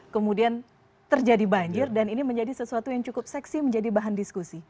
kemudian terjadi banjir dan ini menjadi sesuatu yang cukup seksi menjadi bahan diskusi